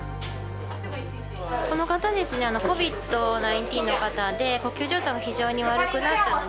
この方ですねＣＯＶＩＤ−１９の方で呼吸状態が非常に悪くなったのをですね